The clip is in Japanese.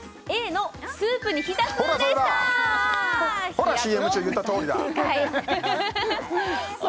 ほらＣＭ中言ったとおりだ平子さん